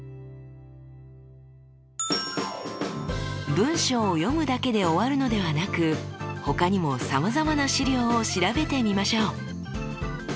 文章を読むだけで終わるのではなく他にもさまざまな資料を調べてみましょう。